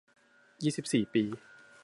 ยี่สิบสี่ ปี